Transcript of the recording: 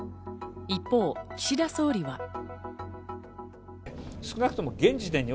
一方、岸田総理は。